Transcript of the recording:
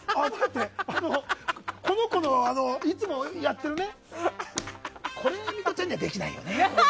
この子のいつもやってるこれはミトちゃんにはできないよね。